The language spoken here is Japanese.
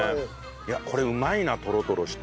いやこれうまいなトロトロして。